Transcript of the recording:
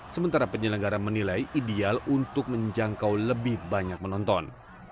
sementara penyelenggara menilai ideal untuk menjangkau lebih banyak menonton